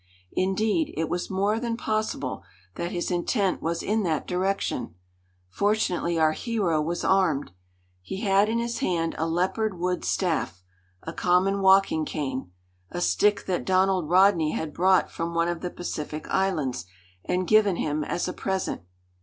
Indeed, it was more than possible that his intent was in that direction. Fortunately our hero was armed. He had in his hand a leopard wood staff a common walking cane a stick that Donald Rodney had brought from one of the Pacific islands and given him as a present.